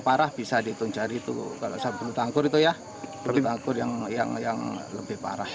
parah bisa ditunjari itu kalau saya penuh tangkul itu ya tapi bangkur yang yang yang lebih parah